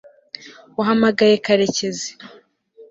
wahamagaye karekezi